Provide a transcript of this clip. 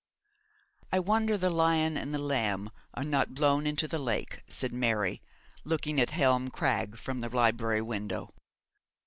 'I wonder the lion and the lamb are not blown into the lake,' said Mary, looking at Helm Crag from the library window.